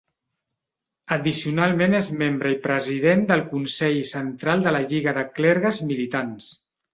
Addicionalment és membre i president del Consell Central de la Lliga de Clergues militants.